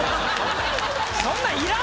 そんなんいらんねん。